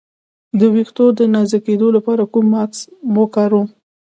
د ویښتو د نازکیدو لپاره کوم ماسک وکاروم؟